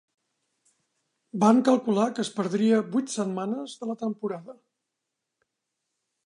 Van calcular que es perdria vuit setmanes de la temporada.